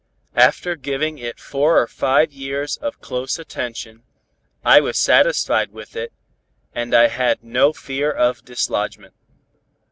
After giving it four or five years of close attention, I was satisfied with it, and I had no fear of dislodgment.